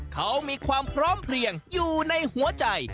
เขามีความพร้อมเพลียงอยู่ในหัวใจ